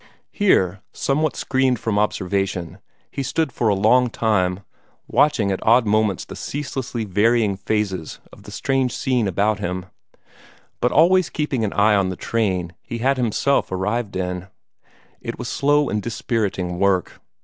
Here, somewhat screened from observation, he stood for a long time, watching at odd moments the ceaselessly varying phases of the strange scene about him, but always keeping an eye on the train he had himself arrived in. It was slow and dispiriting work.